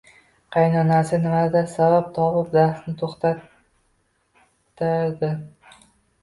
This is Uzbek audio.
Qaynonasi nimadir sabab topib, darsni toʻxtatardi